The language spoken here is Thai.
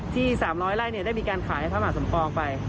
ที่๓๐๐ไร่ได้มีการขายพระมหาสมปองไป